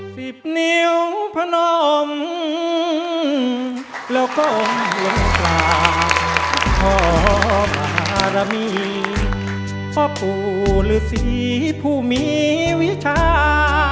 สิบนิ้วพะนมแล้วกลมลงตราพอมหารมีพ่อปู่หรือสีผู้มีวิชา